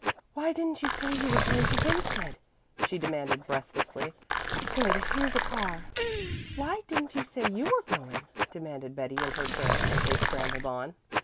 "Why didn't you say you were going to Winsted?" she demanded breathlessly. "Good, here's a car." "Why didn't you say you were going?" demanded Betty in her turn as they scrambled on.